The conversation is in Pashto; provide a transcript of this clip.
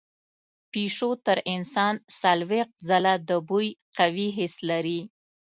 پیشو تر انسان څلوېښت ځله د بوی قوي حس لري.